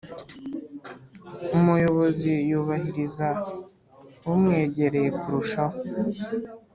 umuyobozi y’ubahiriza umwegereye kurushaho